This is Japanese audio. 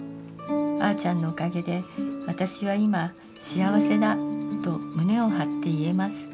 あーちゃんのおかげで私は今幸せだと胸を張って言えます。